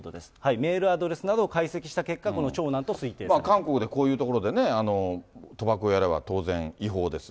メールアドレスなどを解析した結果、韓国でこういう所でね、賭博をやれば、当然違法ですよ。